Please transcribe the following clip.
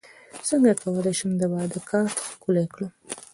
څنګه کولی شم د واده کارت ښکلی کړم